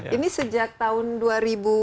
ini sejak tahun dua ribu tiga belas ya